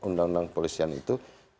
undang undang kepolisian itu